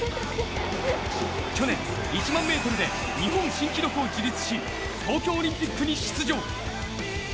去年１００００ｍで日本新記録を樹立し東京オリンピックに出場。